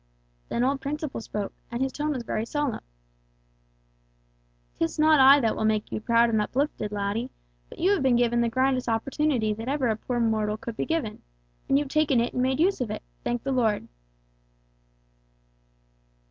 Then old Principle spoke, and his tone was very solemn: "'Tis not I that will make you proud and uplifted, laddie, but you have been given the grandest opportunity that ever a poor mortal could be given, and you've taken it and made use of it, thank the Lord!"